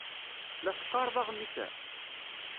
La teqqareḍ aɣmis-a?